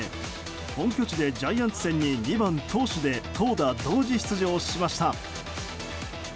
本拠地でジャイアンツ戦に２番、投手で投打同時出場しました。